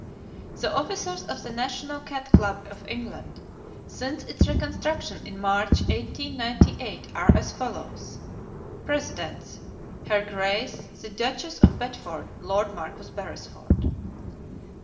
The officers of the National Cat Club of England, since its reconstruction in March, 1898, are as follows: Presidents. Her Grace the Duchess of Bedford; Lord Marcus Beresford.